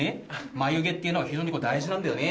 眉毛っていうのは非常に大事なんだよね。